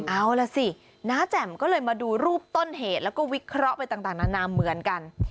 เอาล่ะสิน้าแจ่มก็เลยมาดูรูปต้นเหตุแล้วก็วิเคราะห์ไปต่างนานาเหมือนกัน